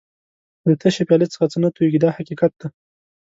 له تشې پیالې څخه څه نه تویېږي دا حقیقت دی.